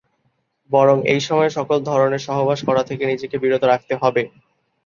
বরং এই সময়ে সকল ধরণের সহবাস করা থেকে নিজেকে বিরত রাখতে হবে।